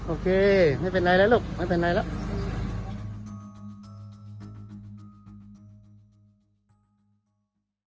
โอเคไม่เป็นไรแล้วลูกไม่เป็นไรแล้ว